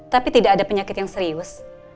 tapi tidak ada penyakit yang serius